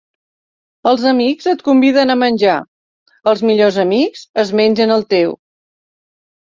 Els amics et conviden a menjar; els millors amics es mengen el teu.